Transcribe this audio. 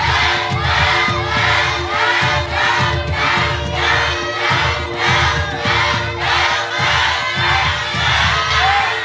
แผ่น